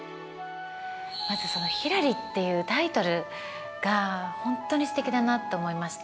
まずその「ひらり」っていうタイトルが本当にすてきだなと思いました。